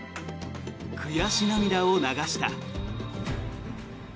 悔し涙を流した。